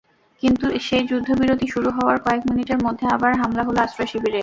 কিন্তু সেই যুদ্ধবিরতি শুরু হওয়ার কয়েক মিনিটের মধ্যে আবার হামলা হলো আশ্রয়শিবিরে।